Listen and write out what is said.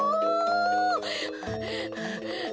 はあはあはあ。